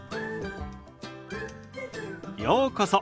ようこそ。